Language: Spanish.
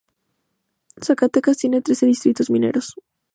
Zacatecas tiene trece distritos mineros.